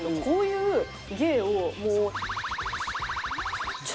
こういう芸をもう。